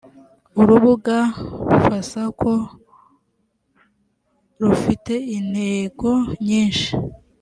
urubuga fasaco rufite intego nyinshi